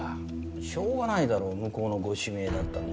しょうがないだろ向こうのご指名だったんだから。